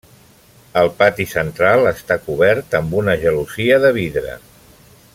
El pati central està cobert amb una gelosia de vidre.